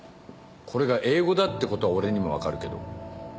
これが英語だってことは俺にも分かるけど。